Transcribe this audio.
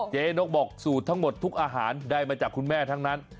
เจ๊นกบอกสูตรทั้งหมดทุกอาหารได้มาจากคุณแม่ทั้งนั้น